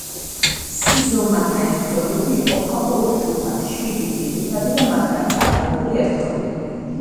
სი ზომათა ერთეულები იყოფა ორ ჯგუფად: შვიდი ძირითადი და მათგან წარმოებული ერთეულები.